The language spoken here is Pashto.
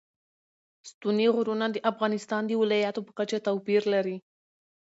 ستوني غرونه د افغانستان د ولایاتو په کچه توپیر لري.